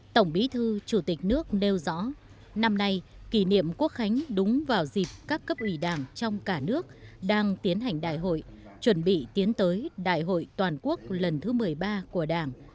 tổng bí thư chủ tịch nước nêu rõ năm nay kỷ niệm quốc khánh đúng vào dịp các cấp ủy đảng trong cả nước đang tiến hành đại hội chuẩn bị tiến tới đại hội toàn quốc lần thứ một mươi ba của đảng